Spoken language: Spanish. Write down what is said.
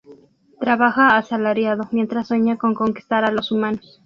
Trabaja asalariado mientras sueña con conquistar a los humanos.